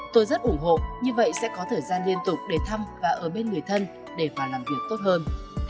tôi rất ủng hộ như vậy sẽ có thời gian liên tục để thăm và ở bên người thân để mà làm việc tốt hơn